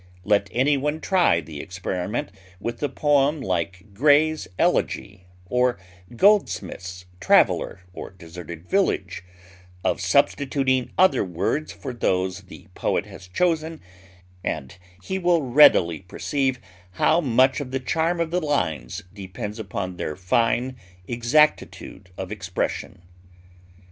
Let anyone try the experiment with a poem like Gray's "Elegy," or Goldsmith's "Traveller" or "Deserted Village," of substituting other words for those the poet has chosen, and he will readily perceive how much of the charm of the lines depends upon their fine exactitude of expression.